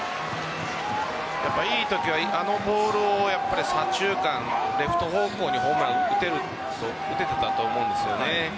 いいときはあのボール左中間、レフト方向にホームラン打てていたと思うんです。